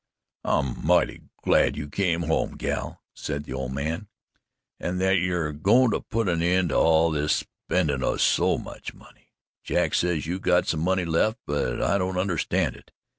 "I'm mighty glad you come home, gal," said the old man, "an' that ye air goin' to put an end to all this spendin' o' so much money. Jack says you got some money left, but I don't understand it.